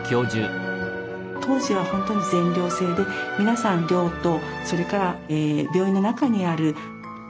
当時はほんとに全寮制で皆さん寮とそれから病院の中にある教室